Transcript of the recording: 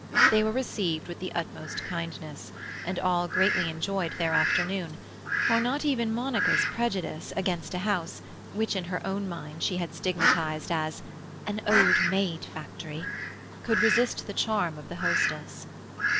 They were received with the utmost kindness, and all greatly enjoyed their afternoon, for not even Monica's prejudice against a house, which in her own mind she had stigmatized as "an old maid factory," could resist the charm of the hostess.